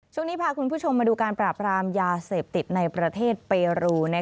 ช่วงนี้พาคุณผู้ชมมาดูการปราบรามยาเสพติดในประเทศเปรู